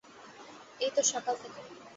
এই তো সকাল থেকে।